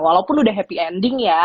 walaupun udah happy ending ya